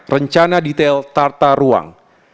rencana detail tata ruang